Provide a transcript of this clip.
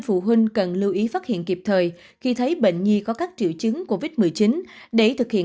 phụ huynh cần lưu ý phát hiện kịp thời khi thấy bệnh nhi có các triệu chứng covid một mươi chín để thực hiện